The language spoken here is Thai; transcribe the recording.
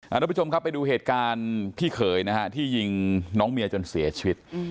ทุกผู้ชมครับไปดูเหตุการณ์พี่เขยนะฮะที่ยิงน้องเมียจนเสียชีวิต